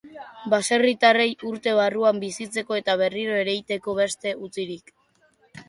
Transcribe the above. Baserritarrei urte barruan bizitzeko eta berriro ereiteko beste utzirik.